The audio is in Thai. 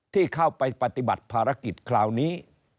ที่เข้าไปปฏิบัติภารกิจคราวนี้